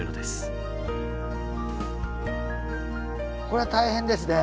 これは大変ですね。